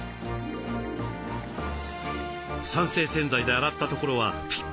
酸性洗剤で洗ったところはピッカピカに。